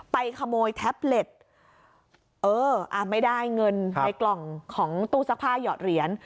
ไปขโมยแท็บเล็ตเอออ่ะไม่ได้เงินในกล่องของตู้ซักผ้าหยอดเหรียญ